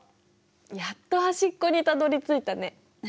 やっと端っこにたどりついたね。